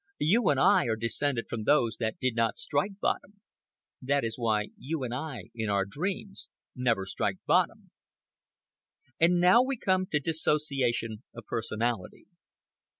You and I are descended from those that did not strike bottom; that is why you and I, in our dreams, never strike bottom. And now we come to disassociation of personality.